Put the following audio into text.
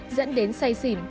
dẫn đến say xỉn